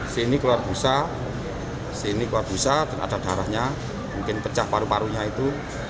sini keluar busa sini keluar busa dan ada darahnya mungkin pecah paru parunya itu